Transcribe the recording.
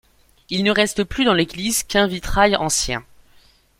Il ne reste plus dans l'église qu'un vitrail ancien.